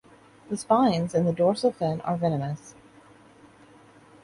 The spines in the dorsal fin are venomous.